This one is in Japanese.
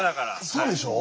そうでしょう。